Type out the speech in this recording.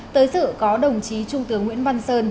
tới sự có đồng chí trung tướng nguyễn văn sơn